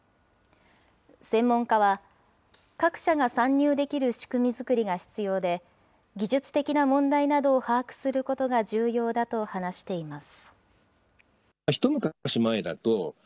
専門家は、各社が参入できる仕組み作りが必要で、技術的な問題などを把握することが重要だと話しています。